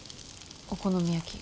お好み焼き。